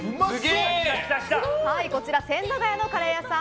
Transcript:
こちら千駄ヶ谷のカレー屋さん